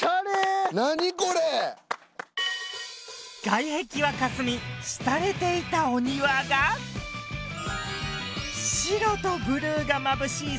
外壁はかすみ廃れていたお庭が白とブルーがまぶしい